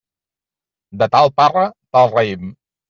De tal parra, tal raïm.